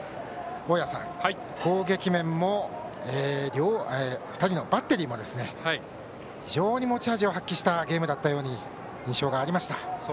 大矢さん、攻撃面も２人のバッテリーも非常に持ち味を発揮したゲームだった印象がありました。